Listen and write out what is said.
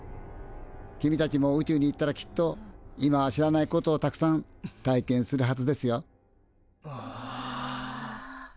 君たちも宇宙に行ったらきっと今は知らないことをたくさん体験するはずですよ。はあ。